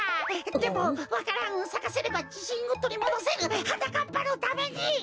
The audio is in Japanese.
でもわか蘭をさかせればじしんをとりもどせるはなかっぱのために！